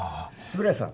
円谷さん